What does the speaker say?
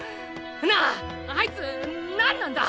なああいつ何なんだ？